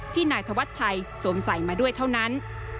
นายธวัชชัยสวมใส่มาด้วยเท่านั้น